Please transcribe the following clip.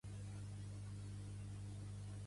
Tu sí que tens molta merda a la llengua!